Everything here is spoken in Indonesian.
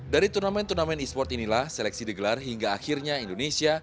dari turnamen turnamen e sport inilah seleksi digelar hingga akhirnya indonesia